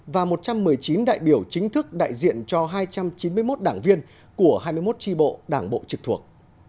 và một trăm một mươi chín đại biểu chính thức đại diện cho hai trăm chín mươi một đảng viên của hai mươi một tri bộ đảng bộ trực thuộc